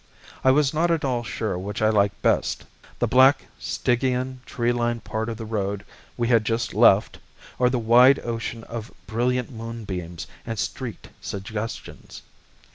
I was not at all sure which I liked best the black, Stygian, tree lined part of the road we had just left, or the wide ocean of brilliant moonbeams and streaked suggestions.